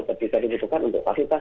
ketika dibutuhkan untuk fasilitas